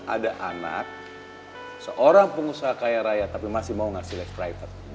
ada anak seorang pengusaha kaya raya tapi masih mau ngasih lex private